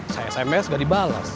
saya sms gak dibalas